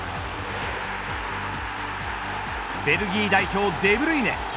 ベルギー代表デブルイネ。